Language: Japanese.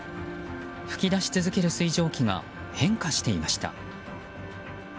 噴き出し続ける水蒸気が変化していました。